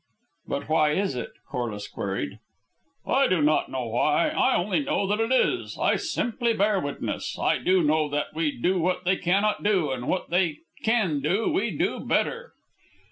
"But why is it?" Corliss queried. "I do not know why. I only know that it is. I simply bear witness. I do know that we do what they cannot do, and what they can do, we do better."